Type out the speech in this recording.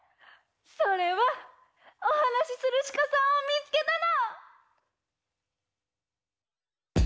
それはおはなしするしかさんをみつけたの！